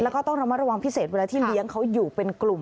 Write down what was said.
แล้วก็ต้องระมัดระวังพิเศษเวลาที่เลี้ยงเขาอยู่เป็นกลุ่ม